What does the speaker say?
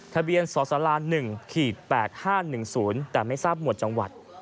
ทะเบียนสตร๑๘๕๑๐แต่ไม่ทราบหมวดจังหวัด